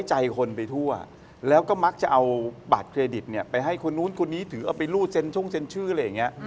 ใจคนไปทั่วแล้วก็มักจะเอาบัตรเครดิตเนี่ยไปให้คนนู้นคนนี้ถือเอาไปรูดเซ็นช่งเซ็นชื่ออะไรอย่างนี้